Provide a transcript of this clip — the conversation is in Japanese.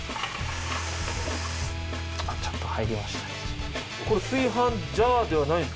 ちゃんと入りましたね。